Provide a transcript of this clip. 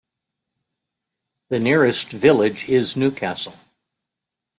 The nearest village is Newcastle.